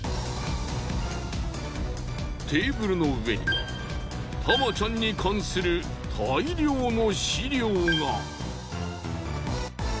テーブルの上にはタマちゃんに関する大量の資料が。